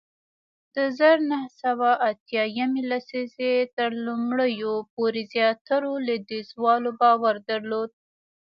د زر نه سوه اتیا یمې لسیزې تر لومړیو پورې زیاترو لوېدیځوالو باور درلود